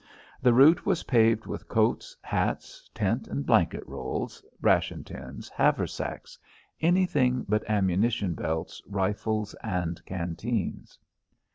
The route was paved with coats, hats, tent and blanket rolls, ration tins, haversacks everything but ammunition belts, rifles and canteens.